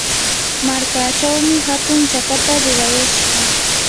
markachawmi hatun chakata rurayashqa.